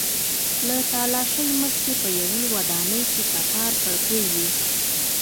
له تالاشۍ مخکې په یوې ودانۍ کې کتار کړکۍ وې.